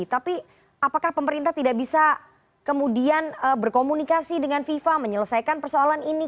tapi apakah pemerintah tidak bisa kemudian berkomunikasi dengan fifa menyelesaikan persoalan ini